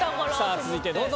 続いてどうぞ。